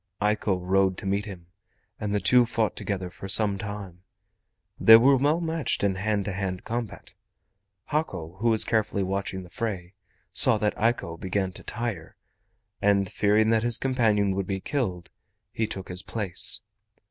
Eiko rode to meet him, and the two fought together for some time. They were well matched in a hand to hand combat. Hako, who was carefully watching the fray, saw that Eiko began to tire, and fearing that his companion would be killed, he took his place.